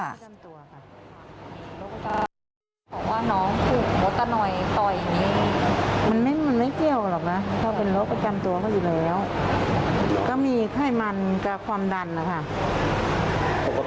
ปกติเหมาะมีสาวอ้วนอยู่ด้วยใช่ไหม